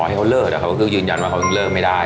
ขอให้เค้าเลิกแต่เค้าก็คือยืนยันว่าเค้าก็เลิกไม่ได้